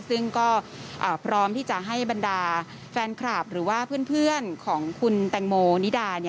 ซึ่งก็พร้อมที่จะให้บรรดาแฟนคลับหรือว่าเพื่อนของคุณแตงโมนิดา